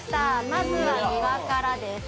まずは庭からです